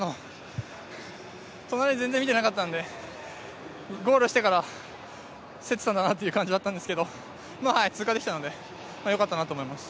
となり、全然見てなかったのでゴールしてから競ってたんだなっていう感じだったんですけどまあ通過できたので良かったなと思います。